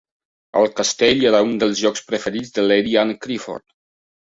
El castell era un dels llocs preferits de Lady Anne Clifford.